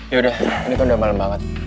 yaudah ini kan udah malem banget